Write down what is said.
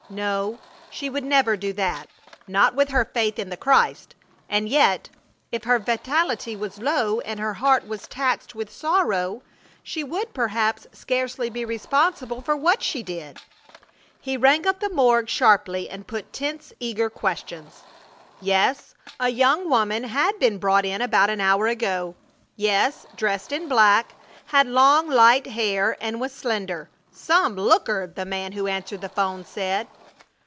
No, she would never do that, not with her faith in the Christ! And yet, if her vitality was low, and her heart was taxed with sorrow, she would perhaps scarcely be responsible for what she did. He rang up the morgue sharply and put tense, eager questions. Yes, a young woman had been brought in about an hour ago.... Yes, dressed in black had long light hair and was slender. "Some looker!" the man who answered the 'phone said.